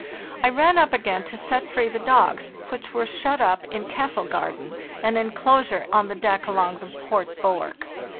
I ran up again to set free the dogs, which were shut up in 'Castle garden'—an enclosure on the deck along the port bulwark.